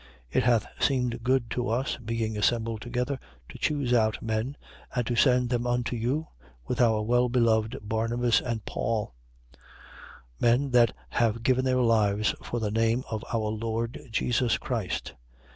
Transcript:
It hath seemed good to us, being assembled together, to choose out men and to send them unto you, with our well beloved Barnabas and Paul: 15:26. Men that have given their lives for the name of our Lord Jesus Christ.